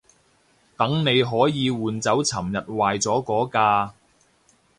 等你可以換走尋日壞咗嗰架